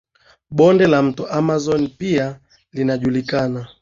Bonde la mto la Amazon pia linajulikana